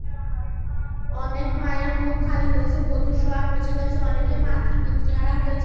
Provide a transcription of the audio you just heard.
অনেক মায়ের বুক খালি হয়েছে, বধূর সোহাগ মুছে গেছে, অনেকে মাতৃ-পিতৃহারা হয়েছে।